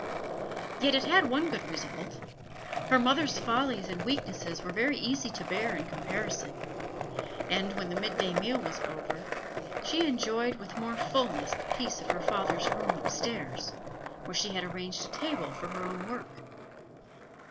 Yet it had one good result; her mother's follies and weaknesses were very easy to bear in comparison, and, when the midday meal was over, she enjoyed with more fulness the peace of her father's room upstairs, where she had arranged a table for her own work.